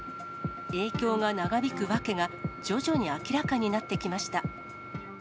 影響が長引く訳が、徐々に明らかになってきました。